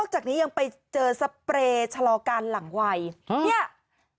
นอกจากนี้ยังไปเจอสเปรย์ชะลอการหลังวัย